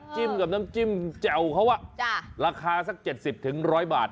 จิ้มกับน้ำจิ้มแจ่วเพราะว่าราคาสัก๗๐๑๐๐บาท